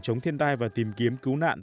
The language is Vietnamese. chống thiên tai và tìm kiếm cứu nạn